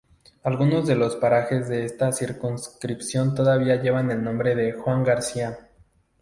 Algunos de los parajes de esta circunscripción todavía llevan el nombre de Juan García.